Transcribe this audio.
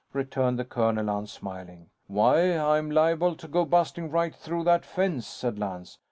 returned the colonel, unsmiling. "Why I'm liable to go busting right through that fence," said Lance.